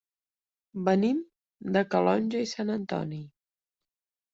Venim de Calonge i Sant Antoni.